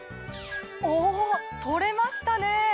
お取れましたね！